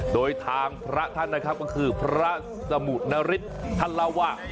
โดยทางพระท่านนะครับก็คือพระสมุทรนฤทธาลวะ